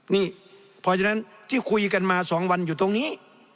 นี่เพราะฉะนั้นที่คุยกันมา๒วันอยู่ตรงนี้